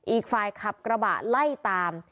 อีกฝ่ายขับกระบะไล่ตาม